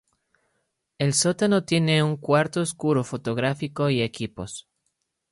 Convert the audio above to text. El sótano tiene un cuarto oscuro fotográfico y equipos.